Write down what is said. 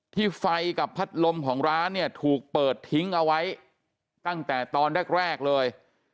ไฟกับพัดลมของร้านเนี่ยถูกเปิดทิ้งเอาไว้ตั้งแต่ตอนแรกเลย